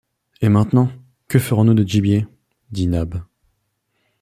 Et maintenant, que ferons-nous de notre gibier ? dit Nab.